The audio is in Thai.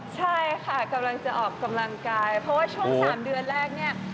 ใช่ค่ะกำลังจะออกกำลังกายเพราะว่าช่วง๓เดือนแรกเนี่ย